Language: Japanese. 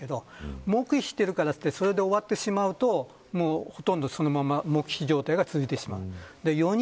黙秘しているからといってそれで終わってしまうとほとんどそのまま黙秘状態が続いてしまう。